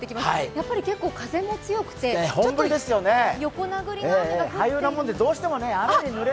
やっぱり結構風も強くて、ちょっと横殴りの雨も降って。